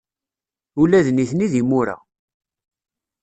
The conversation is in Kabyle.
Ula d nitni d imura.